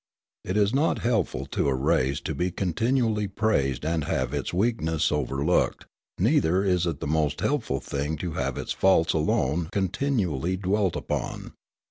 It is not helpful to a race to be continually praised and have its weakness overlooked, neither is it the most helpful thing to have its faults alone continually dwelt upon.